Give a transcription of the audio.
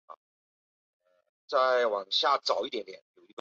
一个主题模型试图用数学框架来体现文档的这种特点。